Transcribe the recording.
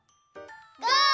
ゴー！